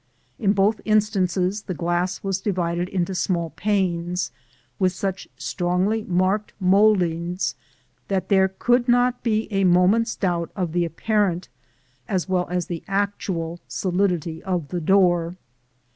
In both these instances the glass was divided into small panes, with such strongly marked mouldings that there could not be a moment's doubt of the apparent, as well as the actual, solidity of the door.